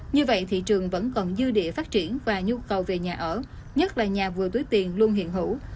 như vậy thị trường vẫn còn dư địa phát triển và nhu cầu về nhà ở nhất là nhà vừa túi tiền luôn hiện hữu